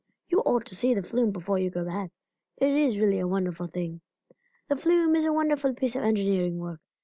You ought to see the flume before you go back; it is really a wonderful thing." The flume is a wonderful piece of engineering work.